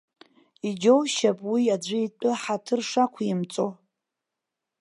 Иџьоушьап уи аӡәы итәы ҳаҭыр шақәимҵо.